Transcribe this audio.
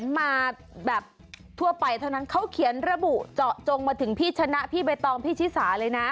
มาแบบทั่วไปเท่านั้นเขาเขียนระบุเจาะจงมาถึงพี่ชนะพี่ใบตองพี่ชิสาเลยนะ